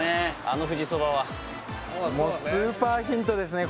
あの富士そばはもうスーパーヒントですね